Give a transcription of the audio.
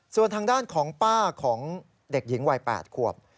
ส่วนทางด้านของป้าของเด็กหญิงวัย๘ขวบ